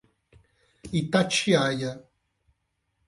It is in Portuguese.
Itatiaia